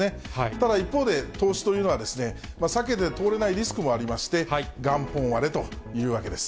ただ、一方で、投資というのは、避けて通れないリスクもありまして、元本割れというわけです。